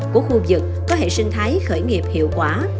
của khu vực có hệ sinh thái khởi nghiệp hiệu quả